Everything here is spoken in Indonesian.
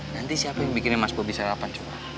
nanti siapa yang bikinnya mas bobby sarapan